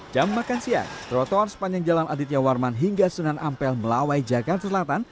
jam makan siang trotoar sepanjang jalan aditya warman hingga sunan ampel melawai jakarta selatan